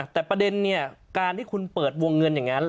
แต่ประเด็นเนี่ยการที่คุณเปิดวงเงินอย่างนั้น